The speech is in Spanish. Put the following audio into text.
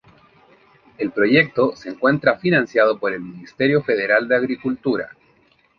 El proyecto se encuentra financiado por el Ministerio Federal de Agricultura.